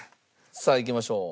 さあいきましょう。